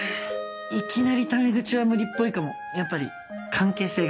いきなりタメ口は無理っぽいかもやっぱり関係性が。